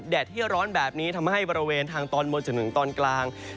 ที่ร้อนแบบนี้ทำให้บริเวณทางตอนบนจนถึงตอนกลาง